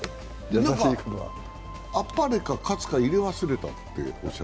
あっぱれか喝か入れ忘れたって？